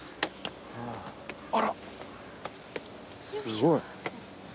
あらっすごい。